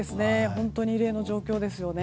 本当に異例の状況です。